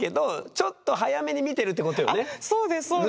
だからそうですそうです。